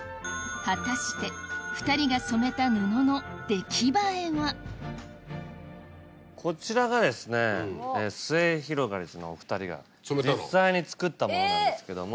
果たして２人が染めた布のこちらがすゑひろがりずのお２人が実際に作ったものなんですけども。